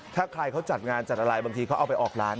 ถ้าใครเขาจัดงานจัดอะไรบางทีเขาเอาไปออกร้าน